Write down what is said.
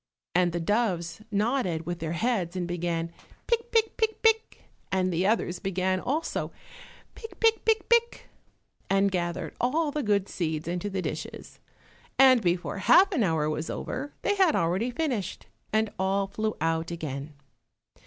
And the doves nodded with their heads and began pick, pick, pick, pick, and the others began also pick, pick, pick, pick, and gathered all the good seeds into the dishes, and before half an hour was over they had already finished, and all flew out again.